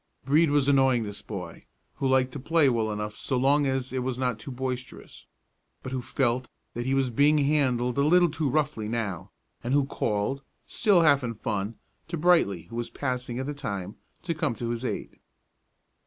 Brede was annoying this boy, who liked play well enough so long as it was not too boisterous, but who felt that he was being handled a little too roughly now, and who called, still half in fun, to Brightly, who was passing at the time, to come to his aid.